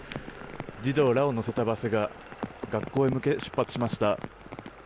児童らを乗せたバスが学校へ向け出発しました。